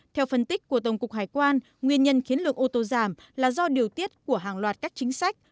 theo phân tích của tổng cục hải quan nguyên nhân khiến lượng ô tô giảm là do điều tiết của hàng loạt các chính sách